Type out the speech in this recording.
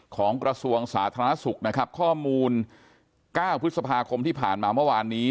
กระทรวงสาธารณสุขนะครับข้อมูล๙พฤษภาคมที่ผ่านมาเมื่อวานนี้